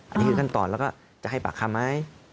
อันนี้คือขั้นตอนแล้วก็จะให้ปากคำไหม